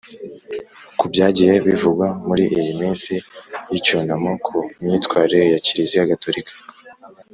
kubyagiye bivugwa muri iyi minsi y’icyunamo ku myitwarire ya kiliziya gatolika